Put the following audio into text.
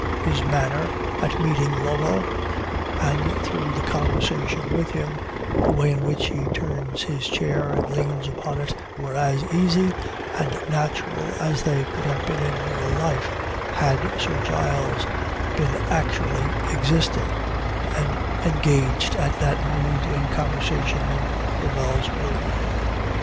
His manner at meeting Lovell and through the conversation with him, the way in which he turns his chair and leans upon it, were as easy and natural as they could have been in real life, had Sir Giles been actually existing, and engaged at that moment in conversation in Lovell's room.